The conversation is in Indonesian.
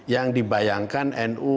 yang dibayangkan nu